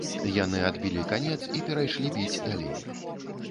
Яны адбілі канец і перайшлі біць далей.